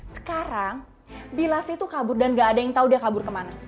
sekarang bila sri tuh kabur dan gak ada yang tau dia kabur kemana